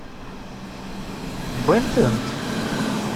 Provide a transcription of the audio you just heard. Wwin-tent.